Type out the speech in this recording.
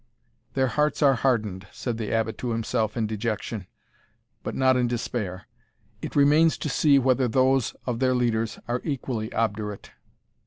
"Their hearts are hardened," said the Abbot to himself in dejection, but not in despair; "it remains to see whether those of their leaders are equally obdurate."